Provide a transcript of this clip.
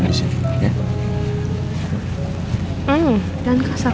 hmm dan kasar kasar